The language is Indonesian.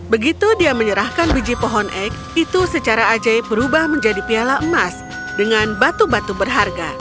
begitu dia menyerahkan biji pohon ek itu secara ajaib berubah menjadi piala emas dengan batu batu berharga